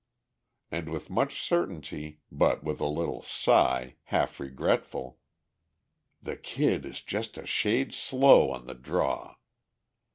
And," with much certainty, but with a little sigh, half regretful, "the Kid is just a shade slow on the draw.